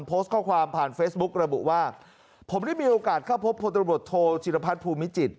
โพสต์ข้อความผ่านเฟซบุ๊กระบุว่าผมได้มีโอกาสเข้าพบพลตำรวจโทจิรพัฒน์ภูมิจิต